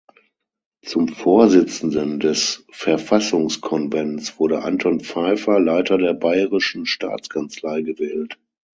Zum Vorsitzenden des Verfassungskonvents wurde Anton Pfeiffer, Leiter der Bayerischen Staatskanzlei gewählt.